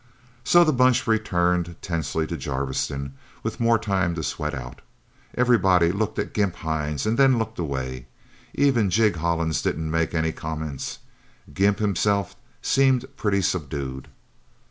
So the Bunch returned tensely to Jarviston, with more time to sweat out. Everybody looked at Gimp Hines and then looked away. Even Jig Hollins didn't make any comments. Gimp, himself, seemed pretty subdued.